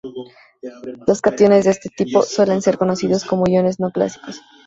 Los cationes de este tipo suelen ser conocidos como iones no clásicos.